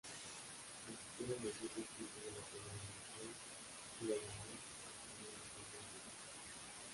Compitieron los diez equipos de Primera División y lo ganó Nacional de forma invicta.